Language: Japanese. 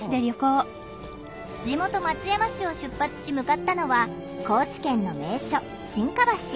地元松山市を出発し向かったのは高知県の名所沈下橋。